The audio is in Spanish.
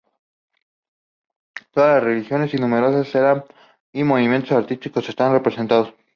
Todas las regiones y numerosas eras y movimientos artísticos están representados.